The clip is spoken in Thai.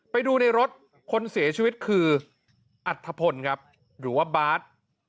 ไปดูในรถคนเสียชีวิตคืออัธพลครับหรือว่าบาร์ด